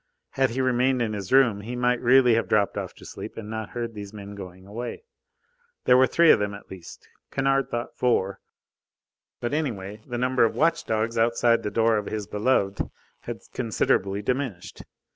Had he remained in his room, he might really have dropped off to sleep and not heard these men going away. There were three of them at least Kennard thought four. But, anyway, the number of watch dogs outside the door of his beloved had considerably diminished.